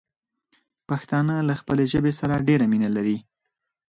پښتانه له خپلې ژبې سره ډېره مينه لري.